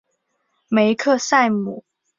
梅克赛姆。